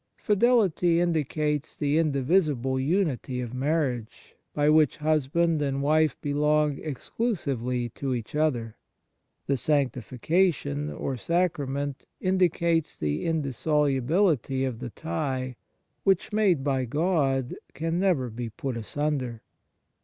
Fidelity indicates the indivisible unity of marriage, by which husband and wife belong exclusively to each other. The sanctification, or sacra ment, indicates the indissolubility of the tie, which, made by God, can never be put asunder.